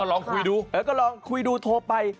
ลองคุยดูเออก็ลองคุยดูโทรไป